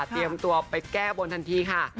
เตรียมตัวไปแก้บนทันทีค่ะ